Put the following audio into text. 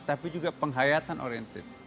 tapi juga penghayatan orientir